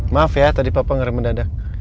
maaf ya tadi papa ngeramu dada